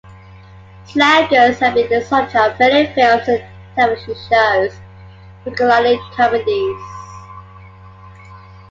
Slackers have been the subject of many films and television shows, particularly comedies.